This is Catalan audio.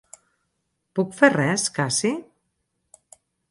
Puc fer res, Cassie?